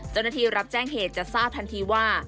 เจ้าหน้าที่รับแจ้งเหตุจะทราบทันทีว่า